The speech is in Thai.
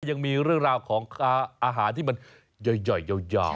ยังมีเรื่องราวของอาหารที่มันใหญ่ยาว